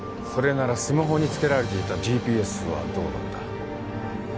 それならスマホに付けられていたＧＰＳはどうなんだ？